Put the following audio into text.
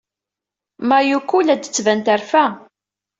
Mayuko la d-tettban terfa.